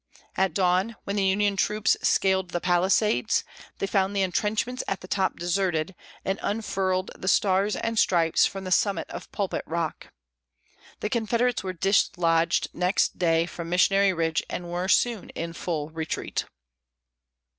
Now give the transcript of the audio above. At dawn, when the Union troops scaled the palisades, they found the intrenchments at the top deserted, and unfurled the Stars and Stripes from the summit of Pulpit Rock. The Confederates were dislodged next day from Missionary Ridge and were soon in full retreat.